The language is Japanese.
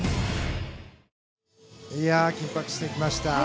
緊迫してきました。